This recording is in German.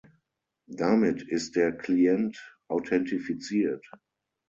Damit ist der Client authentifiziert.